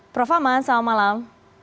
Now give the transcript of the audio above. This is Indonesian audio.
prof aman selamat malam